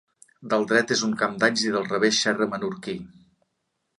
Del dret és un camp d'alls i del revés xerra menorquí.